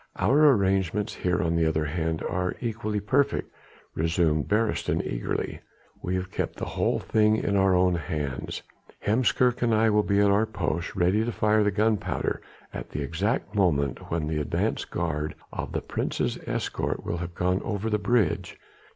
"Our arrangements here on the other hand are equally perfect," resumed Beresteyn eagerly, "we have kept the whole thing in our own hands ... Heemskerk and I will be at our posts ready to fire the gunpowder at the exact moment when the advance guard of the Prince's escort will have gone over the bridge